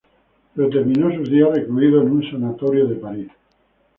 Pero terminó sus días recluido en un sanatorio de París.